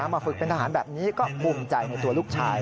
มาฝึกเป็นทหารแบบนี้ก็ภูมิใจในตัวลูกชาย